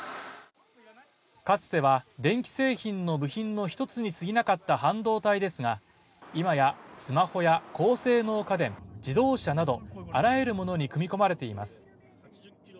かつては電気製品の部品の一つに過ぎなかった半導体ですが、今やスマホや高性能家電、自動車などあらゆるものに組み込まれています。